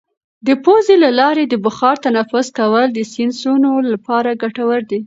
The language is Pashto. د پوزې له لارې د بخار تنفس کول د سینوسونو لپاره ګټور دي.